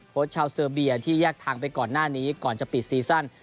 ชาวเซอร์เบียที่แยกทางไปก่อนหน้านี้ก่อนจะปิดซีซั่น